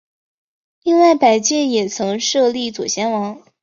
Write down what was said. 另外百济也曾设立左贤王。